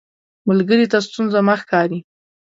ملګری ته ستونزه مه ښکاري